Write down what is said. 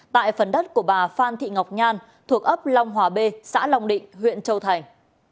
tại phần đất của bà phan thị ngọc nhan thuộc ấp long hòa b xã long định huyện châu thành